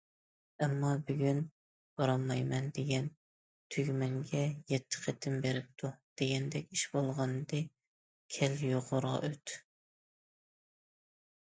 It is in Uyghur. ئەمما بۈگۈن« بارمايمەن دېگەن تۈگمەنگە يەتتە قېتىم بېرىپتۇ» دېگەندەك ئىش بولغانىدى.— كەل، يۇقىرىغا ئۆت.